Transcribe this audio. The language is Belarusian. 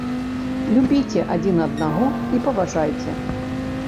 Любіце адзін аднаго і паважайце!